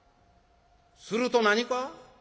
すると何か？